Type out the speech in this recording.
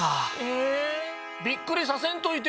えびっくりさせんといてよ。